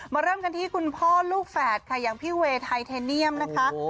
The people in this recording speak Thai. เริ่มกันที่คุณพ่อลูกแฝดค่ะอย่างพี่เวย์ไทเทเนียมนะคะ